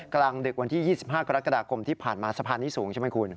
กลางดึกวันที่๒๕กรกฎาคมที่ผ่านมาสะพานนี้สูงใช่ไหมคุณ